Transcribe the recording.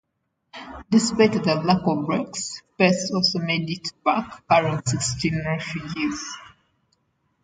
Despite the lack of brakes, Pease also made it back, carrying sixteen refugees.